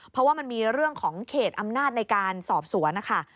เพราะว่ามันมีเรื่องของเขตอำนาจในการสอบสวนนะคะ